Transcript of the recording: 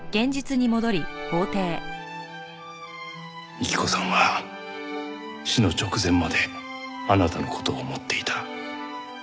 幹子さんは死の直前まであなたの事を思っていた。